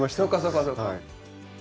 そうかそうか。